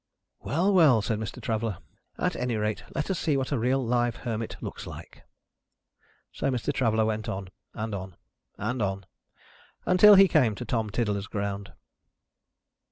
"Well, well!" said Mr. Traveller. "At any rate, let us see what a real live Hermit looks like." So, Mr. Traveller went on, and on, and on, until he came to Tom Tiddler's Ground.